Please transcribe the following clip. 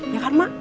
ya kan mak